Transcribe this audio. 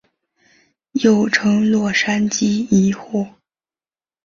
又称洛杉矶疑惑。